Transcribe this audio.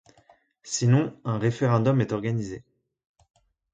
Sinon, un référendum est organisé.